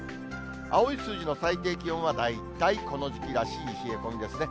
青い数字の最低気温は大体この時期らしい冷え込みですね。